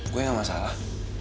gue gak masalah